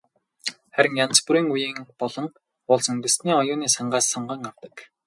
Харин янз бүрийн үеийн болон улс үндэстний оюуны сангаас сонгон авдаг.